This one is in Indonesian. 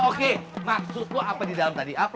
oke maksudmu apa di dalam tadi apel